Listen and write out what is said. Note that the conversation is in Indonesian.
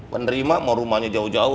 penerima mau rumahnya jauh jauh